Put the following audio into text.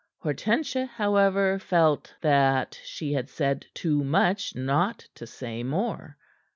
Hortensia, however, felt that she had said too much not to say more.